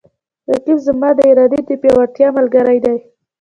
رقیب زما د ارادې د پیاوړتیا ملګری دی